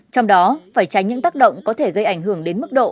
trong đó phải tránh những tác động có thể gây ảnh hưởng đến mức độ